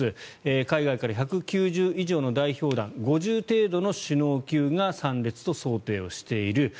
海外から１９０以上の代表団５０人程度の首脳級が参列と想定をしている。